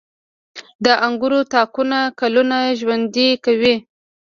• د انګورو تاکونه کلونه ژوند کوي.